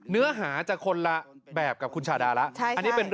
เนื้อหาจะคนละแบบกับคุณชาดาแล้ว